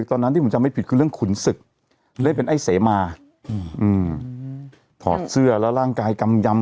ตอนนั้นที่ผมจำไม่ผิดคือเรื่องขุนศึกเล่นเป็นไอ้เสมาอืมถอดเสื้อแล้วร่างกายกำยำ